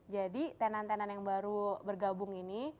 jadi tenan tenan yang baru bergabung ini